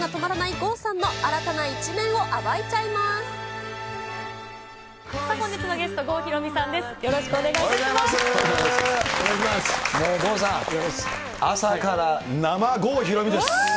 郷さん、朝から生郷ひろみです。